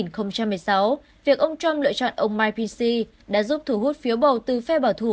năm hai nghìn một mươi sáu việc ông trump lựa chọn ông mikepsi đã giúp thu hút phiếu bầu từ phe bảo thủ